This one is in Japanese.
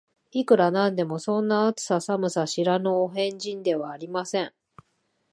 いくら何でも、そんな、暑さ寒さを知らぬお変人ではありません